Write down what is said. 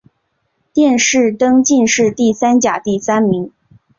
殿试登进士第三甲第三名。